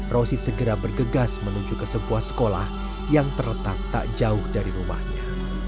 rosi segera bergegas menuju ke sebuah sekolah yang terletak tak jauh dari rumahnya